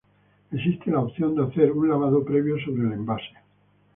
Existe la opción de hacer un lavado previo sobre el envase.